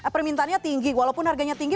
permintaannya tinggi walaupun harganya tinggi